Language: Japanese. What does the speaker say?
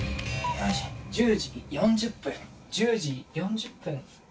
１０時４０分１０時４０分。